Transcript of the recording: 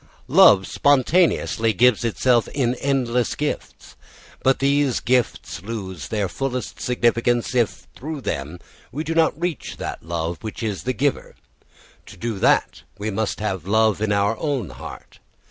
Love spontaneously gives itself in endless gifts. But these gifts lose their fullest significance if through them we do not reach that love, which is the giver. To do that, we must have love in our own heart.